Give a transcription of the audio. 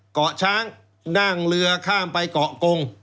เกาะช้างนั่งเรือข้ามไปเกาะกง